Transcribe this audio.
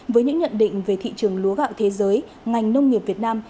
với những nhận định về thị trường lúa gạo thế giới ngành nông nghiệp việt nam